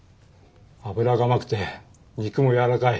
脂が甘くて肉もやわらかい。